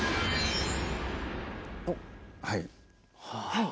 はい。